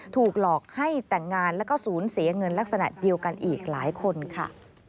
ถูกหลอกให้แต่งงานแล้วก็ศูนย์เสียเงินลักษณะเดียวกันอีกหลายคนค่ะ